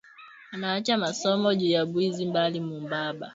Anaacha masomo juya bwizi bali mubamba